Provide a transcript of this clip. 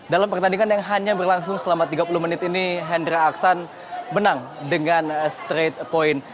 dalam pertandingan yang hanya berlangsung selama tiga puluh menit ini hendra aksan menang dengan straight point